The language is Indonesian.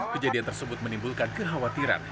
kejadian tersebut menimbulkan kekhawatiran